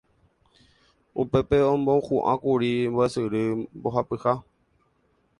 upépe omohu'ãkuri mbo'esyry mbohapyha